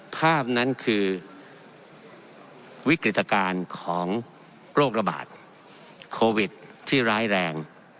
ภาพนั้นคือวิกฤตการณ์ของโรคระบาดโควิดที่ร้ายแรง